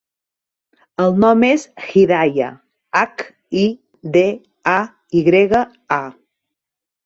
El nom és Hidaya: hac, i, de, a, i grega, a.